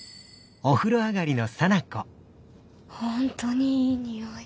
本当にいい匂い。